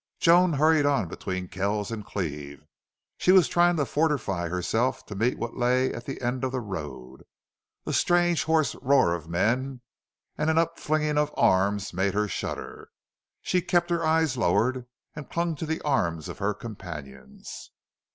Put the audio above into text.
Joan hurried on between Kells and Cleve. She was trying to fortify herself to meet what lay at the end of the road. A strange, hoarse roar of men and an upflinging of arms made her shudder. She kept her eyes lowered and clung to the arms of her companions.